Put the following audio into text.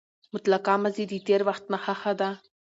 مطلقه ماضي د تېر وخت نخښه ده.